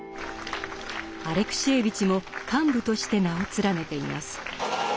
アレクシエーヴィチも幹部として名を連ねています。